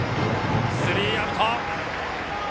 スリーアウト。